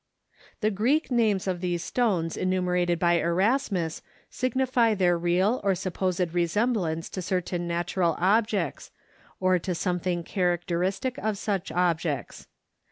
The Greek names of these stones enumerated by Erasmus signify their real or supposed resemblance to certain natural objects, or to something characteristic of such objects.